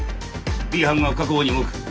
Ｂ班が確保に動く。